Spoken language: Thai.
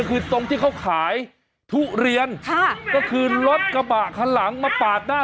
คือตรงที่เขาขายทุเรียนค่ะก็คือรถกระบะคันหลังมาปาดหน้า